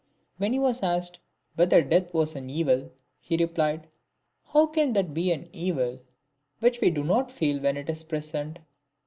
When he was asked whether death was an evil, he replied, " How can that be an evil which we do not feel when it is present?"